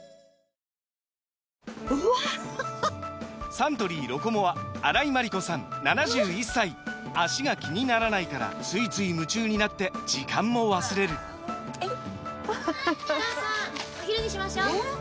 サントリー「ロコモア」荒井眞理子さん７１歳脚が気にならないからついつい夢中になって時間も忘れるお母さんお昼にしましょうえー